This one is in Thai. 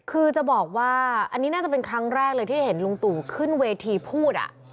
คือจะบอกว่าอันนี้น่าจะเป็นครั้งแรกเลยที่ได้เห็นลุงตู่ขึ้นเวทีพูด